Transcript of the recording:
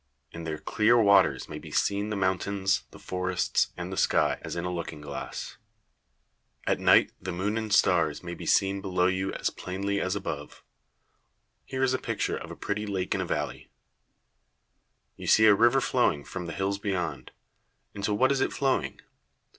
In their clear waters may be seen the mountains, the forests, and the sky, as in a looking glass. At night the moon and stars may be seen below you as plainly as above. Here is a picture of a pretty lake in a valley. [Illustration: A PRETTY LAKE IN A VALLEY.] You see a river flowing from the hills beyond. Into what is it flowing?